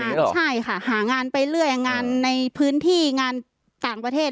ใช่ค่ะหางานไปเรื่อยงานในพื้นที่งานต่างประเทศ